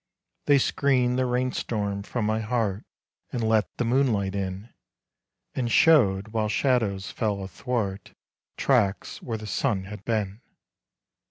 They screened the rainstorm from my heart, And let the moonlight in, And showed, while shadows fell athwart, Tracks where the sun had been.